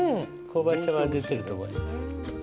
香ばしさが出てると思います。